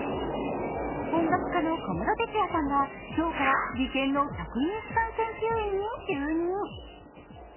音楽家の小室哲哉さんが今日から理研の客員主管研究員に着任。